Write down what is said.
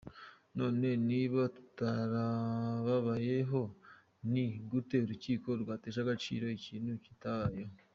None niba rutababayeho ni gute urukiko rwatesha agaciro ikintu kitabayeho?